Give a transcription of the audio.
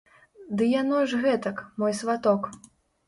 Ды яно ж гэтак, мой сваток.